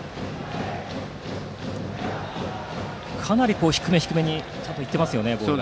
かなり低めに行ってますねボールが。